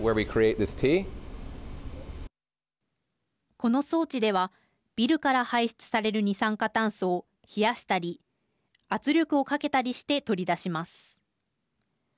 この装置ではビルから排出される二酸化炭素を冷やしたり、圧力をかけたりして取り出します。